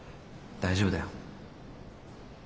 大丈夫だよ。